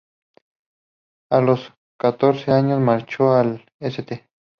A los catorce años marchó al St.